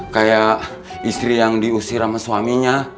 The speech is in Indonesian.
kayak istri yang diusir sama suaminya